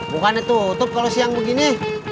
bukannya tutup kalau siang begini